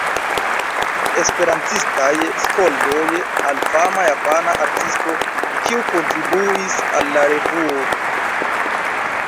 Esperantistaj skoldoj al fama japana artisto, kiu kontribuis al la revuo.